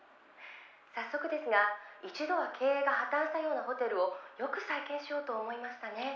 「早速ですが一度は経営が破綻したようなホテルをよく再建しようと思いましたね」